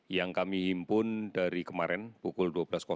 yang kami himpun dari kemarin pukul dua belas